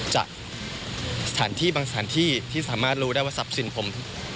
จากสถานที่บางสถานที่ที่สามารถรู้ได้ว่าทรัพย์สินผม